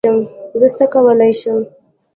زه څه کولی شم؟